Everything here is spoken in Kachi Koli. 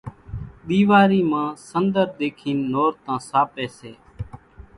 ۮيواري مان سنۮر ۮيکين نورتان ساپي سي